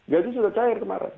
gaji sudah cair kemarin